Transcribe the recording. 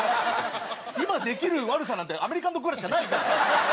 今できる悪さなんてアメリカンドッグぐらいしかないから。